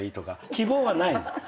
希望はないの？